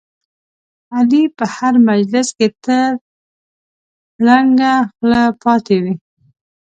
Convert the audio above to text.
علي په هر مجلس کې تل ړنګه خوله پاتې وي.